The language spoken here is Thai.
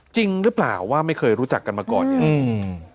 จริงหรือเปล่าว่าไม่เคยรู้จักกันมาก่อนเนี่ยอืม